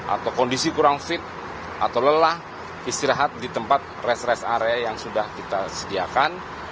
atau kondisi kurang fit atau lelah istirahat di tempat rest rest area yang sudah kita sediakan